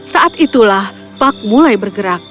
saat itulah puk mulai bergerak